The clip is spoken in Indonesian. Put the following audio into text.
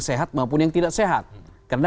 sehat maupun yang tidak sehat karena